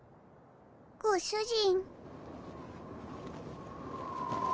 ご主人。